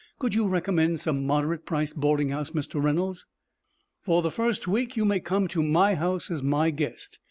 Could you recommend some moderate priced boarding house, Mr. Reynolds?" "For the first week you may come to my house as my guest.